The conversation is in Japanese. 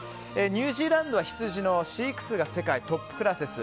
ニュージーランドは羊の飼育数が世界トップクラスです。